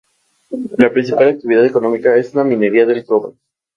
La principal actividad económica es la minería del cobre.